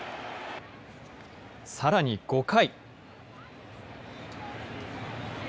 さらに５回。